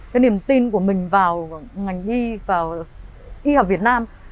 cái niềm tin của mình vào ngành y và y học việt nam